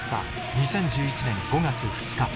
２０１１年５月２日